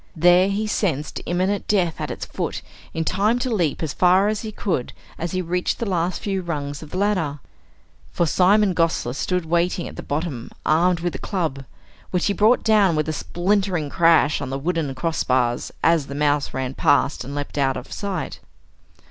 There he sensed imminent death at its foot in time to leap as far as he could as he reached the last few rungs of the ladder. For Simon Gosler stood waiting at the bottom armed with a club, which he brought down with a splintering crash on the wooden crossbars as the mouse ran past and leapt out of sight.